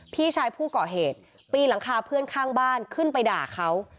พี่ชายผู้ก่อเหตุปีนหลังคาเพื่อนข้างบ้านขึ้นไปด่าเขา